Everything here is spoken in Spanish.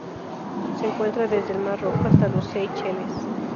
Se encuentra desde el Mar Rojo hasta las Seychelles.